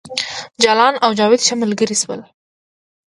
جلان او جاوید ښه ملګري شول